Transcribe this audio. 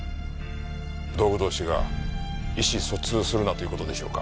道具同士が意思疎通するなという事でしょうか？